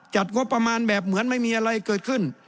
งบประมาณแบบเหมือนไม่มีอะไรเกิดขึ้น